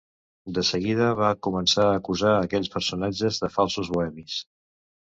De seguida va començar a acusar aquells personatges de falsos bohemis.